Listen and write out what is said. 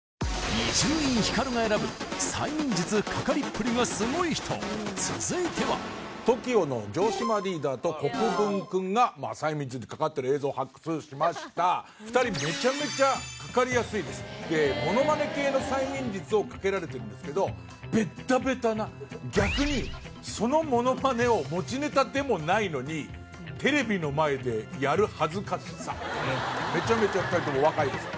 麒麟特製レモンサワー続いてはＴＯＫＩＯの城島リーダーと国分くんが催眠術にかかってる映像発掘しました２人めちゃめちゃかかりやすいですでモノマネ系の催眠術をかけられてるんですけどベッタベタな逆にそのモノマネを持ちネタでもないのにテレビの前でやる恥ずかしさ見てください